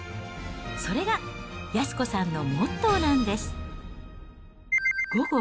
それが安子さんのモットーなんです。